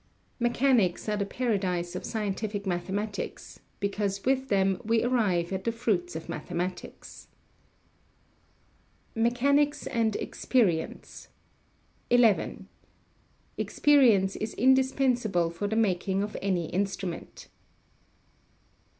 Mechanics are the paradise of scientific mathematics, because with them we arrive at the fruits of mathematics. [Sidenote: Mechanics and Experience] 11. Experience is indispensable for the making of any instrument.